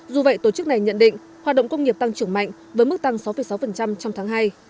dù vậy tổ chức này nhận định hoạt động công nghiệp tăng trưởng mạnh với mức tăng sáu sáu trong tháng hai